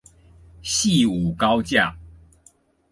汐五高架